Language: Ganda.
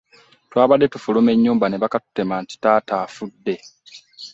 Twabadde tufuluma ennyumba nebakatutema nti taata afudde.